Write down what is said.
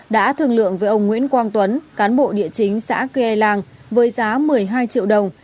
đã thương lượng với ông nguyễn quang tuấn cán bộ địa chính xã kê làng với giá một mươi hai triệu đồng